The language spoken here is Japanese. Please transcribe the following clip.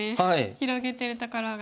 広げてるところが。